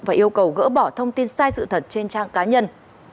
và yêu cầu gỡ bỏ thông tin sai sự thật trên trang cá nhân